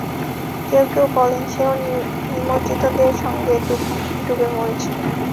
কেউ কেউ বলেন, সেও নিমজ্জিতদের সঙ্গে ডুবে মরেছিল।